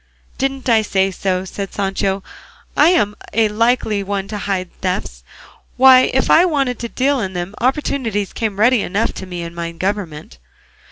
"Didn't I say so?" said Sancho. "I'm a likely one to hide thefts! Why if I wanted to deal in them, opportunities came ready enough to me in my government."